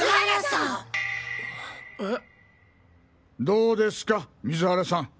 どうですか水原さん。